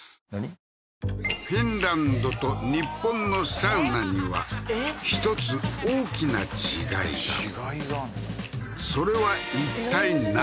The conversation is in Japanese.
フィンランドと日本のサウナには一つ大きな違いがそれはいったい何？